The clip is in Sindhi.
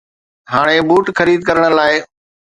هاڻي بوٽ خريد ڪرڻ لاء.